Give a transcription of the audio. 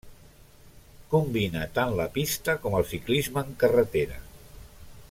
Combina tant la pista com el ciclisme en carretera.